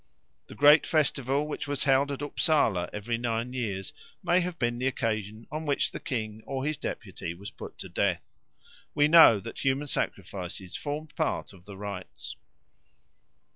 The great festival which was held at Upsala every nine years may have been the occasion on which the king or his deputy was put to death. We know that human sacrifices formed part of the rites.